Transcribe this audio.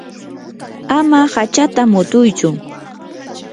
ama hachata mutuychu.